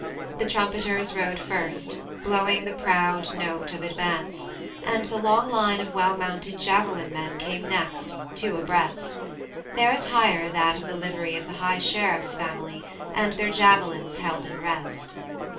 The trumpeters rode first, blowing the proud note of advance, and the long line of well mounted javelin men came next, two abreast; their attire that of the livery of the high sheriff's family, and their javelins held in rest.